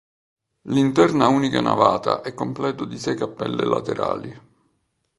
L'interno a unica navata è completo di sei cappelle laterali.